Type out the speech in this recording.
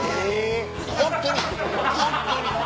ホントにホントに。